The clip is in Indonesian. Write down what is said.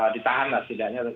ditahan lah setidaknya